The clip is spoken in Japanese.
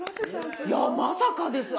いやまさかです。